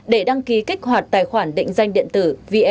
để đăng ký kích hoạt tài khoản định danh điện tử